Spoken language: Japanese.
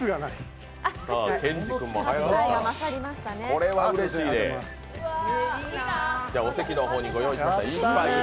これはうれしいねお席の方にご用意しました。